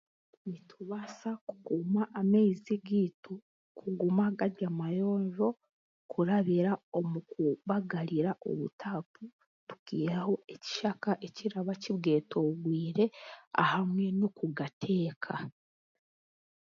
Nitubaasa kukuuma amaizi gaitu kuguma gari amayonjo kurabira omu kubagarira obutaapu tukaihaho ekishaka ekiraba kibwetoroire hamwe n'okugateeka.